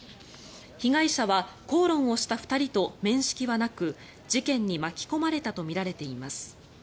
被害者は口論をした２人と面識はなく事件に巻き込まれたとみられています。